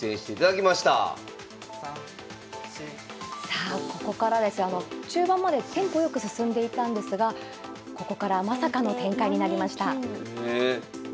さあここからですが中盤までテンポ良く進んでいたんですがここからまさかの展開になりました。